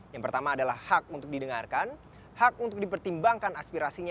yang pertama adalah hak untuk didengarkan hak untuk dipertimbangkan aspirasinya